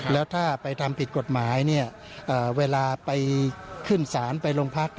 แล้วถ้าไปทำผิดกฎหมายเวลาไปขึ้นศาลไปโรงพัก